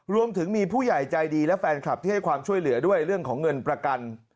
รวมถึงมีผู้ใหญ่ใจดีและแฟนคลับที่ให้ความช่วยเหลือด้วยเรื่องของเงินประกัน